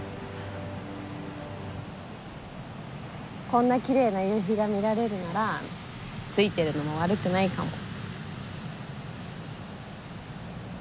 こんなきれいな夕日が見られるならツイてるのも悪くないかも。